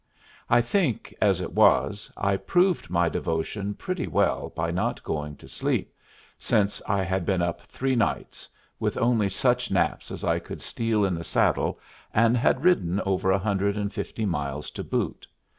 I think, as it was, I proved my devotion pretty well by not going to sleep, since I had been up three nights, with only such naps as I could steal in the saddle, and had ridden over a hundred and fifty miles to boot.